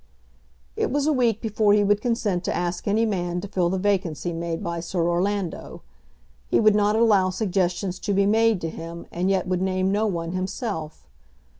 It was a week before he would consent to ask any man to fill the vacancy made by Sir Orlando. He would not allow suggestions to be made to him and yet would name no one himself.